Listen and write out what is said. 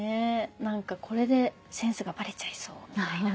何かこれでセンスがバレちゃいそうみたいな。